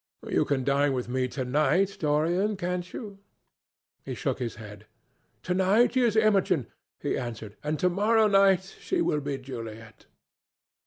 "You can dine with me to night, Dorian, can't you?" He shook his head. "To night she is Imogen," he answered, "and to morrow night she will be Juliet."